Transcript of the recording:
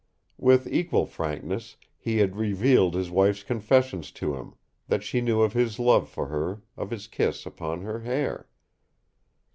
With equal frankness he had revealed his wife's confessions to him, that she knew of his love for her, of his kiss upon her hair.